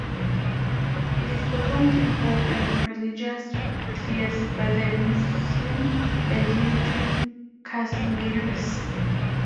It is performed in folk and religious spheres, by the Muslim and Hindu kashmiris.